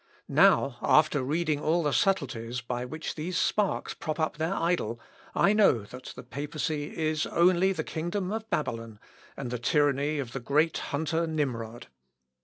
Now, after reading all the subtleties by which these sparks prop up their idol, I know that the papacy is only the kingdom of Babylon, and the tyranny of the great hunter Nimrod.